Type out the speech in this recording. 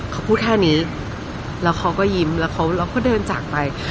เขาพูดแค่นี้แล้วเขาก็ยิ้มแล้วเราก็เดินจากไป